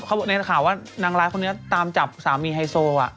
เขาในข่าวว่านางร้ายคนนี้ตามจับสามีไฮโซ